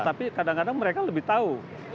tapi kadang kadang mereka lebih tahu